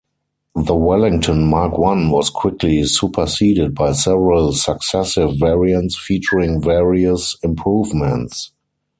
The Wellington Mark One was quickly superseded by several successive variants featuring various improvements.